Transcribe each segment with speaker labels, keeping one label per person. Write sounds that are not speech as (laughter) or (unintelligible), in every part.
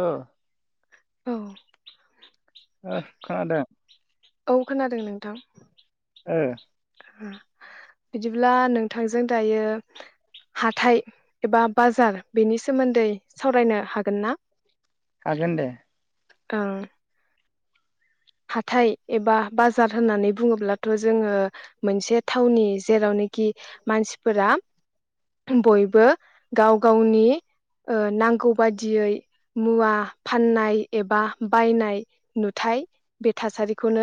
Speaker 1: ओ
Speaker 2: औ
Speaker 1: ओ खोनादों
Speaker 2: औ खोनादों नोंथां।
Speaker 1: ओ
Speaker 2: ओ बिदिब्ला नोंथांजों दायो हाथाय एबा बाजार बेनि सोमोन्दै सावरायनो हागोन ना
Speaker 1: हागोन दे।
Speaker 2: ओं हाथाय एबा बाजार होननानै बुङोब्लाथ' जोङो मोनसे थावनि जेरावनाखि मानसिफोरा बयबो गाव गावनि नांगौ बादियै मुवा फाननाय एबा बायनाय नुथाय बे थासारिखौनो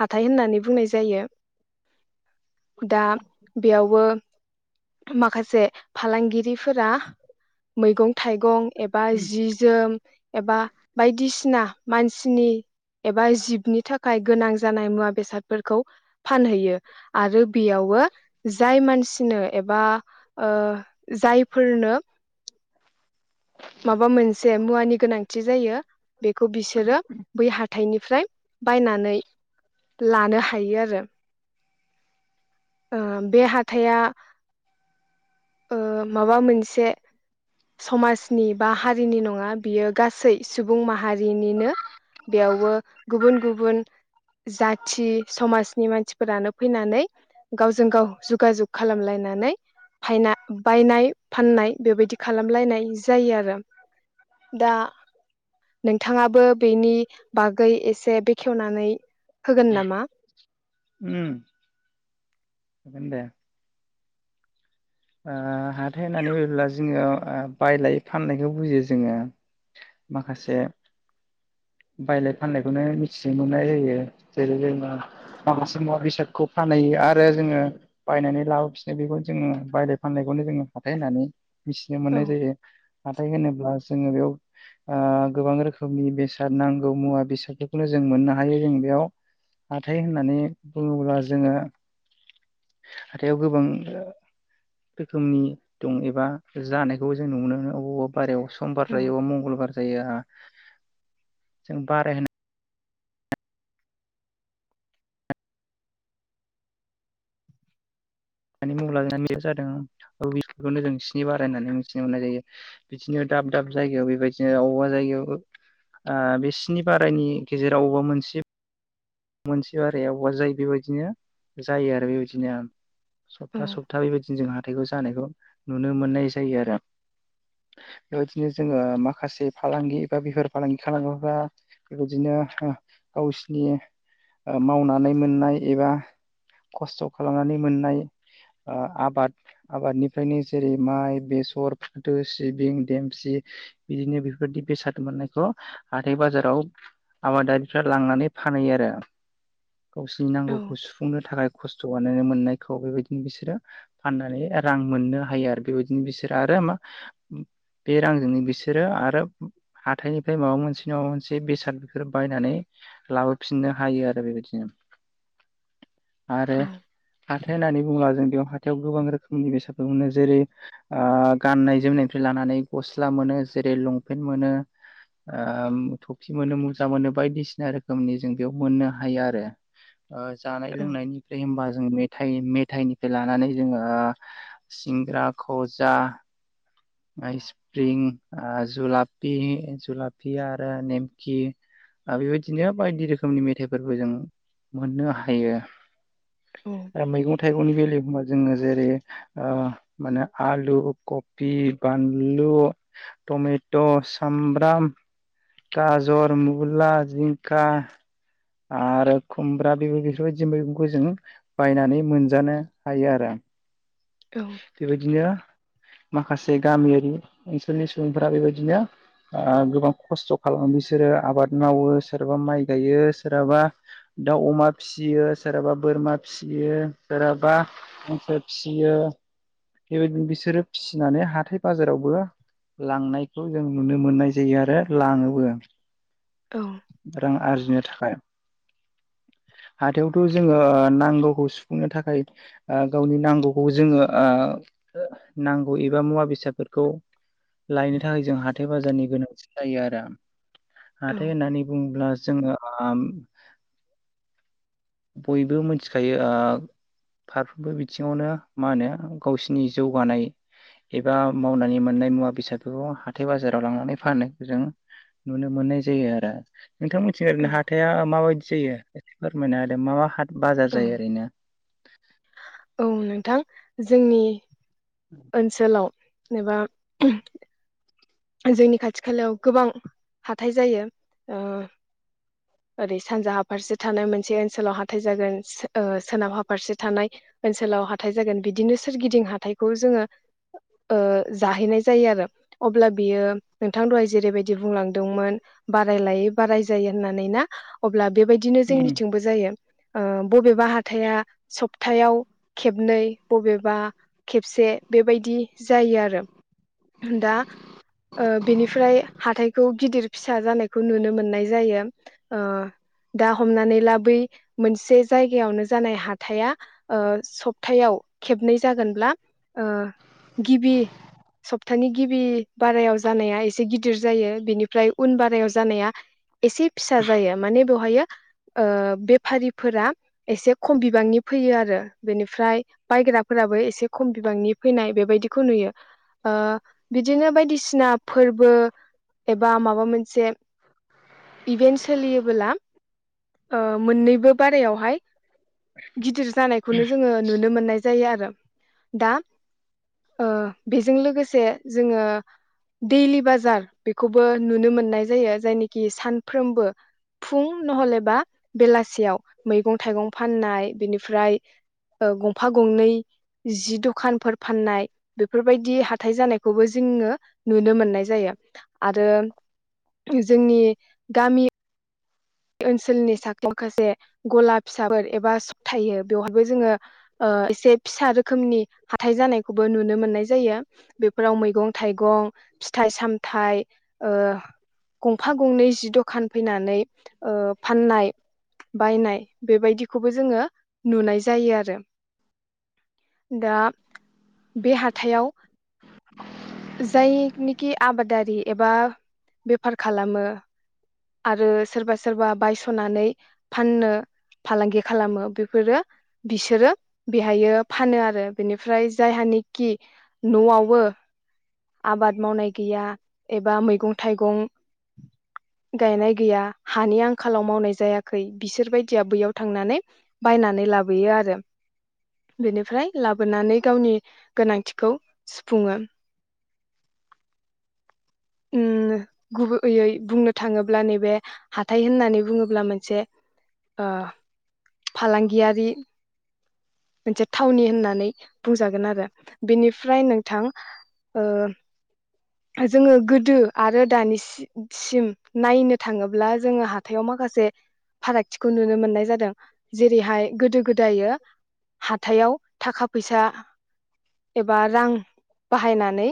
Speaker 2: हाथाय होननानै बुंनाय जायो। दा बेयावबो माखासे फालांगिरिफोरा मैगं थाइगं एबा जि-जोम एबा बायदिसिना मानसिनि एबा जिबनि थाखाय गोनां जानाय मुवा- बेसादफोरखौ फानहैयो आरो बेयावबो जाय मान सिनो एबा जायफोरनो माबा मोनसे मुवानि गोनांथि जायो बेखौ बिसोरो बै हाथाइनिफ्राय बायनानै लानो हायो आरो। ओ बे हाथाया माबा मोनसे समाज नि बा हारिनि नङा बियो गासै सुबुं माहारिनिनो। बेयावबो गुबुन गुबुन जाथि समाजनि मानसिफोरानो फैनानै गावजों गाव जगाजुग खालामलायनानै फायना बायनाय फाननाय बेबायदि खालामलायनाय जायो आरो दा नोंथाङाबो बेनि बागै एसे बेखेवनानै होगोन नामा
Speaker 1: होगोन दे। ओ हाथाय होननानै बुङोब्ला जोङो बायलाय फाननायखौ बुजियो जोङो। माखासे बायलाय फाननायखौनो मिथिनो मोननाय जायो जेरै जोङो माबासे मवा बेसादखौ फानहैयो आरो जोङो बायनानै लाबोफिनो बेखौ जोङो बायलाय फानलायखौनो जोङो हााथाय होननानै मिथिनो
Speaker 2: औ
Speaker 1: मोननाय जायो। हाथाय होनोब्ला जोङो बेयाव ओ गोबां रोखोमनि बेसाद नांगौ मुवा बेसादफोरखौनो जों मोननो हायो जों बेयाव। हाथाय होननानै बुङोब्ला जोङो हाथायाव गोबां रोखोमनि दं एबा जानायखौबो जों नुनो मोनो। अबबा बारायाव समबार
Speaker 2: औ
Speaker 1: जायोबा मंगलबार जायो हा ।जों बाराय हो दानि मुं ला बेयो जादों रुबिखौनो जों स्नि बाराय होननानै मिथिनो मोननाय जायो। बिदिनो दाब दाब जायगायाव बेबायदिनो बबेबा जायगायाव ओ बे स्नि बारायनि गेजेराव बबेबा मोनसे मोनसे बाराया अबेबा जायो बेबायदिनो जायो आरो बेबायदि ओं।
Speaker 2: औ
Speaker 1: सप्ता सप्ता बेबायदिनो जोंहा हाथाइखौ जानायखौ नुनो मोननाय जायो आरो। बेबायदिनो जोङो माखासे फालांगि बा बेफार फालांगि खालाग्राफ्रा बेबायदिनो गावसिनि ओ मावनानै मोननाय एबा खस्थ' खालामनानै मोननाय ओ आबाद आबादनिफ्रायनो जेरै माइ, बेसर, फाथो, सिबिं, देमसि बिदिनो बेफोरबायदि बेसाद मोननायखौ हाथाय बाजाराव आबादारिफ्रा लांनानै फानहैयो आरो। (inaudible) गावसिनि
Speaker 2: औ
Speaker 1: नांगौखौ सुफुंनो थाखाय खस्थ' बनानै मोननायखौ बेबायदिनो बिसोरो फाननानै रां मोननो हायो आरो बेबायदिनो बिसोरो आरो मा बे रांजोंनो बिसोरो आरो हाथायनिफ्राय माबा मोनसे माबा मोनसे बेसाद बेफोर बायनानै लाबोफिननो हायो आरो बेबायदिनो। आरो
Speaker 2: औ
Speaker 1: हाथाय होननानै बुङोब्ला जों बेयाव हाथाव गोबां रोखोमनि बेसादफोर मोनो जेरै आ गाननाय-जोमनायनिफ्राय लानानै गस्ला मोनो, जेरै लंपेन्ट मोनो, थफि मोनो मुजा मोनो बायदिसिना रोखोमनि जों बेयाव मोननो हायो आरो जानाय
Speaker 2: औ
Speaker 1: लोंनायनिफ्राय होनबा जों मेथाइ मेथाइनिफ्राय लानानै जोङो सिंग्रा गजा स्प्रिं जुलापि जुलापि आरो नेमकि बेबायदिनो बायदि रोखोमनि मेथायाइफोरबो जों मोननो हायो
Speaker 2: औ
Speaker 1: मैगं थाइगंनि बेलायाव एखबा जोङो जेरै ओ माने आलु कबि बानलु टमेट' सामब्राम गाजर मुला जिंखा आरो खुमब्रा बे बेफोरबायदि मैगंखौ जों बायनानै मोनजानो हायो आरो
Speaker 2: औ
Speaker 1: बेबायदिनो माखासे गामियारि ओनसोलनि सुबुंफोरा बेबायदिनो गोबां खस्थ' खालामो बिसोरो आबाद मावो सोरहाबा माइ गायो सोरहाबा दाउ अमा फिसियो सोरहाबा बोरमा फिसियो सोरहाबा हांसो फिसियो बेबायदिनो बिसोरो फिसिनानै हाथाय बाजारावबो लांनायखौ जों नुनो मोननाय जायो आरो लाङोबो रां आरजिनो थाखाय हाथायावथ' जोङो नांगौखौ सुफुंनो थाखाय गावनि नांगौखौ जोङो ओ नांगौ एबा मुवा बेसादफोरखौ लायनो थाखाय जों हाथाइ बाजारनि गोनांथि जायो आरो
Speaker 2: औ
Speaker 1: हाथाय होननानै बुङोब्ला जोङो बयबो मिथिखायो ओ फारफ्रोमबो बिथिङावनो मा होनो गावसिनि जौगानाय एबा मावनानै मोननाय मुवा बेसादफोरखौ हाथाय बाजाराव लांनानै फाननायखौ जों नुनो मोननाय जायो आरो नोंथां मोननिथिं ओरैनो हाथाया माबायदि जायो फोरमायना हो दे मा मा हाथाय बाजार
Speaker 2: औ
Speaker 1: जायो ओरैनो
Speaker 2: औ नोंथां जोंनि ओनसोलाव जेनेबा जोंनि खाथि खालायाव गोबां हाथाइ जायो ओ ओरै सानजाहा फारसे थानाय मोनसे ओनसोलाव हाथाइ जागोन सो ओ सोनाब हा फारसे थानाय ओनसोलाव हाथाइ जागोन बिदिनो सोरगिदिं हाथाइखौ जोङो ओ जाहैनाय जायो आरो अब्ला बियो नोंथां दहाय जेरैबायदि बुंलांदोंमोन बाराय लाय बाराय जायो होननानै ना अब्ला बेबायदिनो
Speaker 1: उम
Speaker 2: जोंनिथिंबो जायो ओ बबेबा हाथाया सप थायाव खेबनै बबेबा खेबसे बेबायदि जायो आरो दा ओ बेनिफ्राय हाथायखौ गिदिर फिसा जानायखौ नुनो मोननाय जायो ओ दा हमनानै ला बै मोनसे जायगायावनो जानाय हाथाया ओ सपथायाव खेबनै जागोनब्ला ओ गिबि सप्तानि गिबि बारायाव जानाया एसे गिदिर जायो बेनिफ्राय उन बारायाव जानाया एसे फिसा जायो माने बेवहायो ओ बेफारिफोरा एसे खम बिबांनि फैयो आरो बेनिफ्राय बायग्राफोराबो एसे खम बिबांनि फैनाय बेबायदिखौ नुयो अ बिदिनो बाय फुजा फोरबो एबा माबा मोनसे इभेन्त सोलियोब्ला ओ मोननैबो बारायावहाय गिदिर जानायखौनो जोङो नुनो मोननाय जायो आरो दा ओ बेजों लोगोसे जोङो देइलि बाजार बेखौबो नुनो मोननाय जायो जायनिखि सानफ्रोमबो फुं नहलेबा बेलासियाव मैगं थाइगं फाननाय बेनिफ्राय ओ गंफा गंनै जि दखानफोर फाननाय बेफोरबायदि हाथाय जानायखौबो जोंङो नुनो मोननाय जायो आरो जोंनि गामि ओनसोलनि (unintelligible) माखासे गला फिसाफोर एबा सपथायो बेवहायबो जोङो ओ एसे फिसा रोखोमनि हाथाय जानायखौ बो नुनो मोननाय जायो बेफोराव मैगं-थाइगं, फिथाइ-सामथाइ ओ गंफा गंनै जि दखान फैनानै ओ फाननाय बायनाय बेबायदिखौबो जोङो नुनाय जायो आरो दा बे हाथायाव जायनिखि आबादारि एबा बेफार खालामो आरो सोरबा सो रबा बायस'नानै फाननो फालांगि खालामो बेफोरो बिसोरो बेहायो फानो आरो बेनिफ्राय जायहानिखि न'आवबो आबाद मावनाय गैया एबा मैगं थाइगं गायनाय गैया हानि आंखालाव मावनाय जायाखै बिसोरबायदिया बैयाव थांनानै बायनानै लाबोयो आरो बेनिफ्राय लाबोनानै गावनि गोनांथिखौ सुफुङो उम गुबैयै बुंनो थाङोब्ला नैबे हाथाय होननानै बुङोब्ला मोनसे ओ फालांगियारि मोनसे थावनि होननानै बुंजागोन आरो बेनिफ्राय नोंथां ओ जोङो गोदो आरो दानि सि-सिम‌ नायनो थाङो फारागथिखौ नुनो मोननाय जादों जेरैहाय गोदो गोदायो हाथायाव थाखा फैसा एबा रां बाहायनानै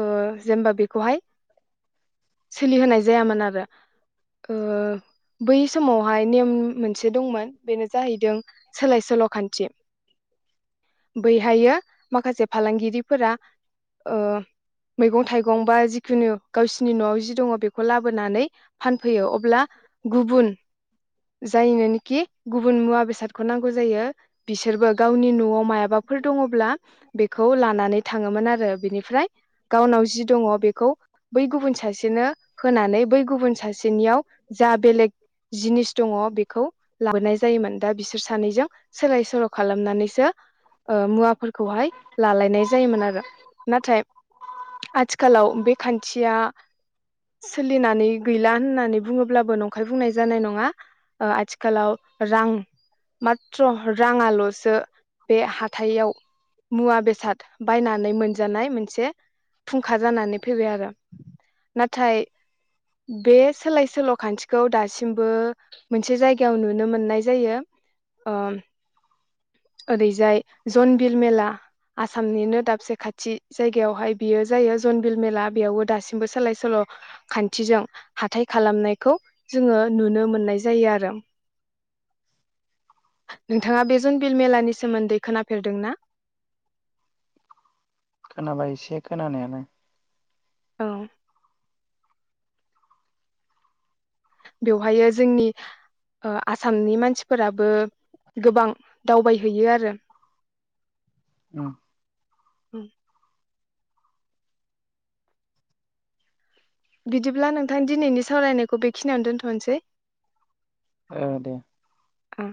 Speaker 2: ओ जेनबा बेखौहाय सोलिहोनाय जायामोन आरो ओ बै समावहाय नेम मोनसे दंमोन बेनो जाहैदों सोलाय सोल' खान्थि बैहाययो माखासे फालांगिरिफोरा ओ मैगं-थाइगं बा जिखुनु गावसिनि न'आव जि दङ बे बोनानै फान फैयो अब्ला गुबुन जायनोनेखि गुबुन मुवा बेसादखौ नांगौ जायो बिसोरबो गावनि न'आव मायाबाफोर दङोब्ला बेखौ लानानै थाङोमोन आरो बिनिफ्राय गावनाव जि दङ बेखौ बै गुबुन सासेनो होनानै बै गुबुन सासेनियाव जा बेलेग जिनिस दङ बेखौ लाबोनाय जायोमोन दा बिसोर सानैजों सोलाय सोल' खालामनानैसो ओ मुवाफोरखौहाय लालायनाय जायोमोन आरो नाथाय आथिखालाव बे खान्थिया सोलिनानै गैला होननानै बुङोब्लाबो नंखाय बुंनाय जानाय नङा ओ आथिखालाव रां माथथ्र' राङाल' सो बे हाथायाव मुवा बेसाद बायनानै मोनजानाय मोनसे फुंखा जानानै फैबाय आरो ना थाय बे सोलाय सोल' खान्थिखौ दासिमबो मोनसे जायगायाव नुनो मोननाय जायो ओ ओरै जाय जनबिल मेला आसामनिनो दाबसे खाथि जायगायावहाय बियो जायो जनबिल मेला बेयावबो दासिमबो सोलाय सोल' खान्थिजों हाथाइ खालामनायखौ जोङो नुनो मोननाय जायो आरो नोंथाङा बे जन बिल मेलानि सोमोन्दै खोनाफेरदोंना?
Speaker 1: खोनाबाय एसे खोनानायालाय
Speaker 2: औ बेवहायो जोंनि ओ आसामनि मानसिफोराबो गोबां दावबायहैयो आरो
Speaker 1: उम
Speaker 2: उम । बिदिब्ला नोंथां दिनैनि सावरायनायखौ बेखिनियावानो दोन्थ'नोसै ।
Speaker 1: ओ दे।
Speaker 2: ओम